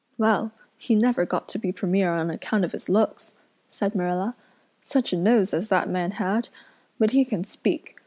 "Well, he never got to be Premier on account of his looks," said Marilla. "Such a nose as that man had! But he can speak.